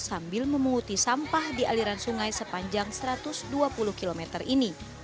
sambil memunguti sampah di aliran sungai sepanjang satu ratus dua puluh km ini